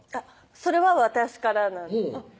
それは私からなんです